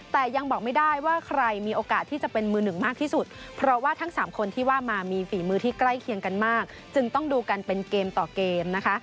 แต่ยังบอกไม่ได้ว่าใครมีโอกาสที่จะเป็นมือหนึ่งมากที่สุดเพราะว่าทั้งสามคนที่ว่ามามีฝีมือที่ใกล้เคียงกันมากจึงต้องดูกันเป็นเกมต่อเกมนะคะ